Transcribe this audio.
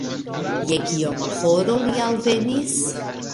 Je kioma horo li alvenis?